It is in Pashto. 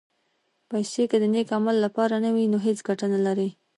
پېسې که د نېک عمل لپاره نه وي، نو هېڅ ګټه نه لري.